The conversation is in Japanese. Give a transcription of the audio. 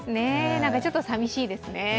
ちょっと寂しいですね。